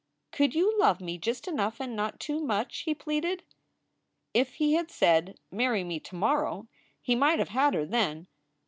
" Could you love me just enough and not too much?" he pleaded. If he had said, "Marry me to morrow!" he might have had her then.